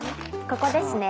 ここですね。